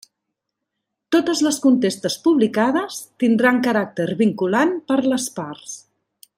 Totes les contestes publicades tindran caràcter vinculant per a les parts.